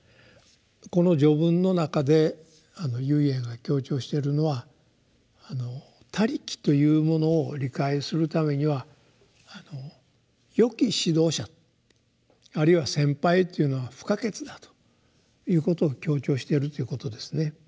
この「序文」の中で唯円が強調してるのは「他力」というものを理解するためにはよき指導者あるいは先輩というのは不可欠だということを強調しているということですね。